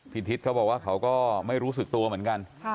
ทิศเขาบอกว่าเขาก็ไม่รู้สึกตัวเหมือนกัน